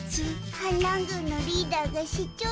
反乱軍のリーダーが視聴者。